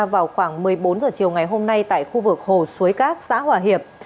vào khoảng một mươi bốn h chiều ngày hôm nay tại khu vực hồ suối các xã hòa hiệp